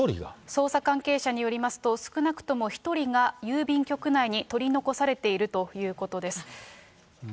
捜査関係者によりますと、少なくとも１人が郵便局内に取り残されているということです。